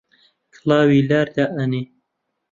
کڵاوی لار دائەنێ